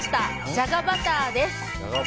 じゃがバターです。